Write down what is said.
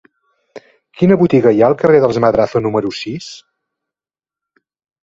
Quina botiga hi ha al carrer dels Madrazo número sis?